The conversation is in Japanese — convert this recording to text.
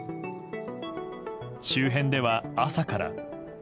周辺では、朝から。